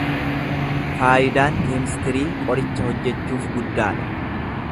Faayidaan keemistirii qoricha hojjachuuf guddaadha.